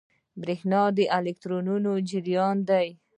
برېښنا د الکترونونو جریان دی.